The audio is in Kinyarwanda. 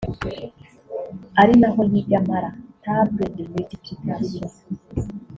ari naho yiga mara (table de multiplication)